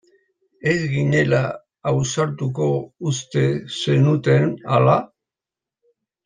Ez ginela ausartuko uste zenuten ala?